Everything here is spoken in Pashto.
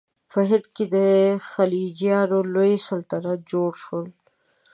په هند کې د خلجیانو لوی سلطنتونه جوړ شول.